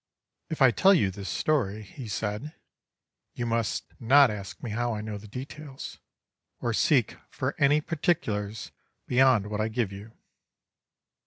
"If I tell you this story," he said, "you must not ask me how I know the details, or seek for any particulars beyond what I give you.